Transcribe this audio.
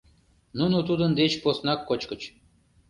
Нуно тудын деч поснак кочкыч.